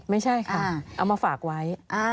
ไม่ใช่ค่ะเอามาฝากไว้